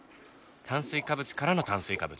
炭水化物からの炭水化物。